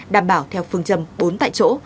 đảm bảo theo phương châm bốn tại chỗ